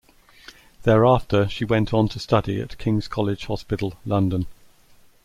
Thereafter she went on to study at King's College Hospital, London.